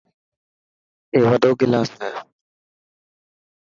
اي وڏو گلاس هي.